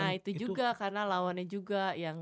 nah itu juga karena lawannya juga yang